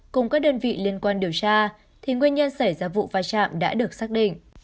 cùng các đơn vị liên quan điều tra thì nguyên nhân xảy ra vụ vai trạm đã được xác định